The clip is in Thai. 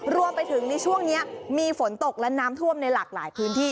รวมไปถึงในช่วงนี้มีฝนตกและน้ำท่วมในหลากหลายพื้นที่